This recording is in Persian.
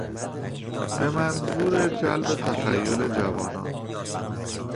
به منظور جلب تخیل جوانان